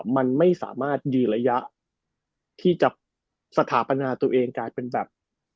มันไม่สามารถยืนระยะที่จะสถาปนาตัวเองกลายเป็นแบบ